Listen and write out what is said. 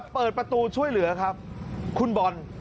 เปิดประตูช่วยเหลือครับคุณบอล